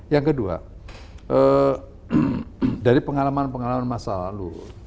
yang kedua dari pengalaman pengalaman masa lalu